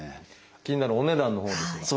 気になるお値段のほうですが。